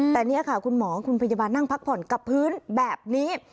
แต่นี่ค่ะคุณหมอคุณพยาบาลนั่งพักผ่อนกับพื้นแบบนี้